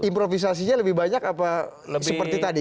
improvisasinya lebih banyak apa seperti tadi